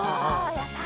やった！